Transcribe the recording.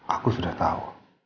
aku sudah tahu